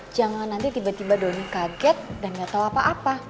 jangan nanti tiba tiba donny kaget dan gak tau apa apa